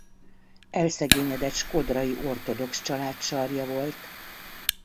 Elszegényedett shkodrai ortodox család sarja volt.